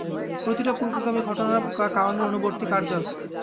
প্রতিটি পূর্বগামী ঘটনার বা কারণের অনুবর্তী কার্য আছে।